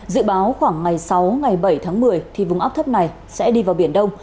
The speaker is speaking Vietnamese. dự báo khoảng ngày sáu ngày bảy tháng một mươi vùng áp thấp này sẽ đi vào biển đông